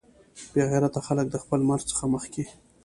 بې غیرته خلک د خپل مرګ څخه مخکې.